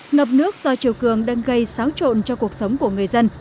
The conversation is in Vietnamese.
ngập nước do chiều cường đang gây xáo trộn cho cuộc sống của người dân